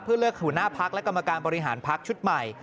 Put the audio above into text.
เพื่อเลือกหัวหน้าพักและกรรมการบริหารพักชุดใหม่